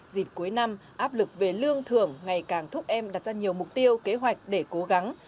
dịp cuối năm áp lực về lương thưởng ngày càng thúc em đặt ra nhiều mục tiêu kế hoạch để cố gắng